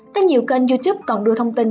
các nhiều kênh youtube còn đưa thông tin